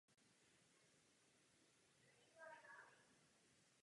Z několika důvodů.